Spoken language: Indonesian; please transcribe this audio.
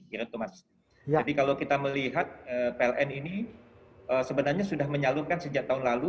jadi kalau kita melihat pln ini sebenarnya sudah menyalurkan sejak tahun lalu